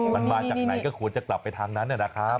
มันมาจากไหนก็ควรจะกลับไปทางนั้นนะครับ